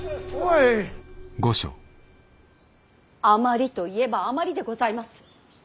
あまりといえばあまりでございます。